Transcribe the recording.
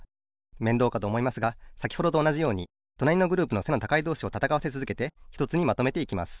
めんどうかとおもいますがさきほどとおなじようにとなりのグループの背の高いどうしをたたかわせつづけてひとつにまとめていきます。